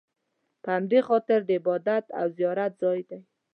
په همدې خاطر د عبادت او زیارت ځای دی.